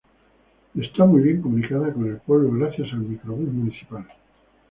Y está muy bien comunicada con el pueblo gracias al microbús municipal.